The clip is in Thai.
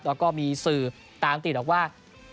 แล้วก็มีสื่อตามติดบอกว่า